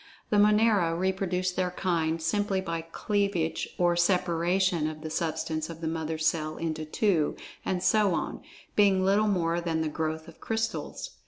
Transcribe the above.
The Monera reproduce their kind simply by cleavage or separation of the substance of the mother cell into two, and so on, being little more than the "growth" of crystals.